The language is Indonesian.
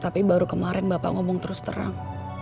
tapi baru kemarin bapak ngomong terus terang